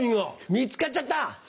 見つかっちゃった。